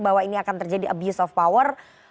bahwa ini akan terjadi abuse of power